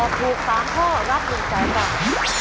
ตอบถูก๓ข้อรับ๑ใจต่าง